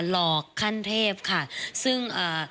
หลอกขั้นเทพค่ะซึ่งอ่า